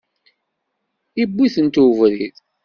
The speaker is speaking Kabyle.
Iwwi-tent uberriḍ.